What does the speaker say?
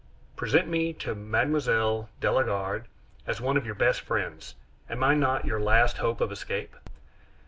Present me to Mme. de la Garde as one of your best friends. Am I not your last hope of escape?"